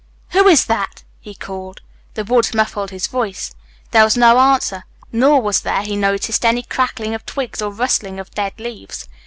"Who is that?" he called. The woods muffled his voice. There was no answer. Nor was there, he noticed, any crackling of twigs or rustling of dead leaves.